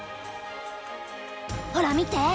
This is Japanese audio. ほら見て！